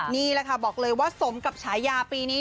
นี่แหละค่ะบอกเลยว่าสมกับฉายาปีนี้